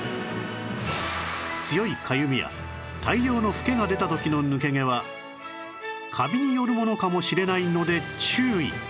強いかゆみや大量のフケが出た時の抜け毛はカビによるものかもしれないので注意！